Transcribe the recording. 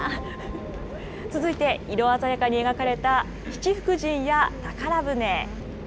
続いて、色鮮やかに描かれた七福神や宝船。